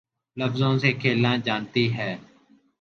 لفظوں سے کھیلنا جانتی ہے